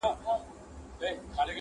چي د ټولو افغانانو هیله ده؛؛!